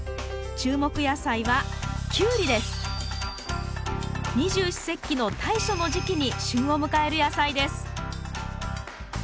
注目野菜は二十四節気の大暑の時期に旬を迎える野菜です。